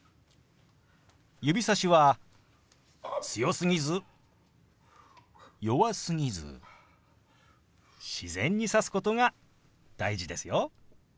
指さしは強すぎず弱すぎず自然に指すことが大事ですよ。